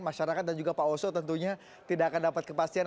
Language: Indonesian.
masyarakat dan juga pak oso tentunya tidak akan dapat kepastian